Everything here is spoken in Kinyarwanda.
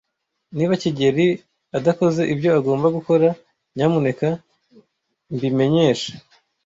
Niba kigeli adakoze ibyo agomba gukora, nyamuneka mbimenyeshe.